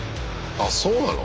あっそうなの？